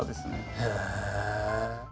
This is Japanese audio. へえ。